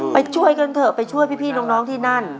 ไปช่วยกันเถอะไปช่วยพี่น้องที่นั่น